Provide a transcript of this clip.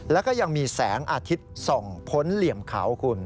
แล้วก็ยังมีแสงอาทิตย์ส่องพ้นเหลี่ยมเขาคุณ